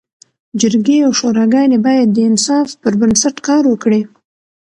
جرګي او شوراګاني باید د انصاف پر بنسټ کار وکړي.